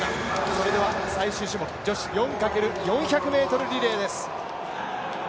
それでは最終種目女子４×４００ｍリレーです。